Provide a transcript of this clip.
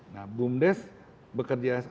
nah bumdes bekerja